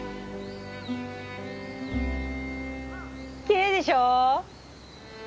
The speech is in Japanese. きれいでしょう。